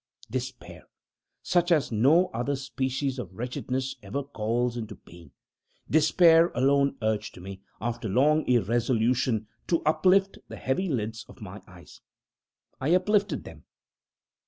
Despair such as no other species of wretchedness ever calls into being despair alone urged me, after long irresolution, to uplift the heavy lids of my eyes. I uplifted them.